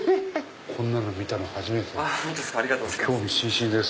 こんなの見たの初めてで興味津々です。